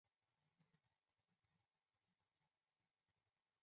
大庆市第四中学。